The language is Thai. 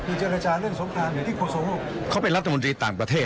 คือเจรจาเรื่องสำคัญอยู่ที่โคโซโฮเขาเป็นรัฐมนตรีต่างประเทศ